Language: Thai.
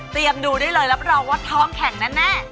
เตรียมดูด้วยเลยรับรองว่าท้องแข็งแน่